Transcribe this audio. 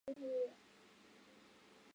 有一个哥哥和妹妹。